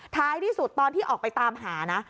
ท้ายที่สุดตอนที่ออกไปตามหานะ